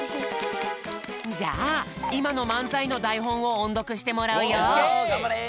じゃあいまのまんざいのだいほんをおんどくしてもらうよ。